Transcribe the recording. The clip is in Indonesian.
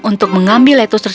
untuk mengambil lettuce